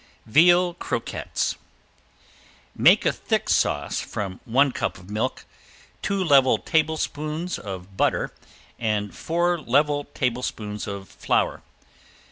~VEAL CROQUETTES~ Make a thick sauce from one cup of milk, two level tablespoons of butter, and four level tablespoons of flour.